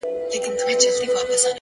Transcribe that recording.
مهرباني د زړونو یخ ویلې کوي.!